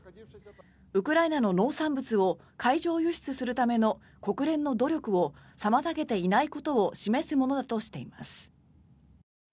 ウクライナの農産物を海上輸出するための国連の努力を妨げていないことを示すものだとしています。